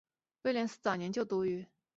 威廉斯早年就读于。